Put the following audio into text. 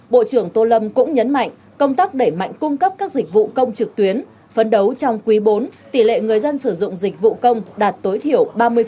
bộ trưởng tô lâm cũng nhấn mạnh công tác đẩy mạnh cung cấp các dịch vụ công trực tuyến phấn đấu trong quý bốn tỷ lệ người dân sử dụng dịch vụ công đạt tối thiểu ba mươi